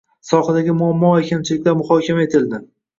Sohadagi muammo va kamchiliklar muhokama etildi.